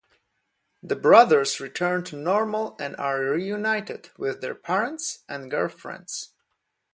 The brothers return to normal and are reunited with their parents and girlfriends.